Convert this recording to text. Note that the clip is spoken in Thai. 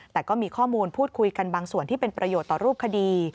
แต่ก็มีข้อมูลพูดคุยกันบางส่วนที่เป็นประโยชน์ต่อรูปคดี